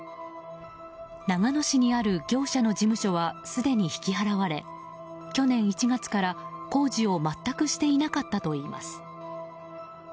長野市にある業者の事務所はすでに引き払われ去年１月から工事を全くしていなかったといいます。